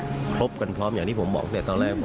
พบกันพร้อมอย่างที่ผมบอกได้ตอนแรก